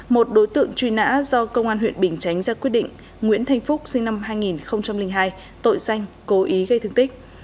một đối tượng truy nã do công an huyện bình chánh ra quyết định nguyễn thanh phúc sinh năm hai nghìn hai tội danh cố ý gây thương tích